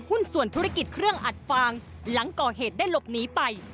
หุ้นส่วนธุรกิจเครื่องอัดฟางหลังก่อเหตุได้หลบหนีไป